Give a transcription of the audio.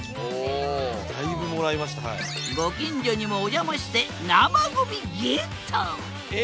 ご近所にもお邪魔して生ゴミゲット！え！